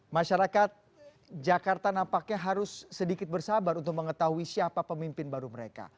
masyarakat jakarta nampaknya harus sedikit bersabar untuk mengetahui siapa pemimpin baru mereka